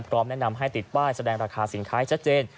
พร้อมแนะนำให้ติดป้ายแสดงราคาสินค้าให้ชัดเจน